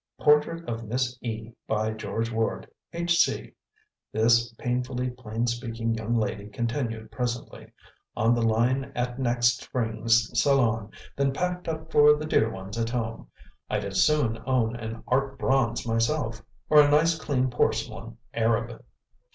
"'Portrait of Miss E., by George Ward, H. C.,'" this painfully plain speaking young lady continued presently. "On the line at next spring's Salon, then packed up for the dear ones at home. I'd as soon own an 'Art Bronze,' myself or a nice, clean porcelain Arab."